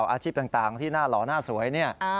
อาชีพต่างที่หน้าหล่อหน้าสวยเนี่ย